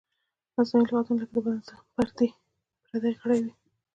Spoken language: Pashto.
مصنوعي لغتونه لکه د بدن لپاره پردی غړی وي.